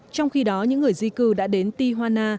trong khi đó những người di cư đã đến tihana